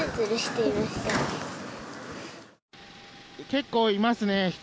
結構いますね、人。